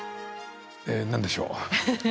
え何でしょう？